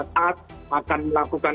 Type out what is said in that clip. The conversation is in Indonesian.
saat akan dilakukan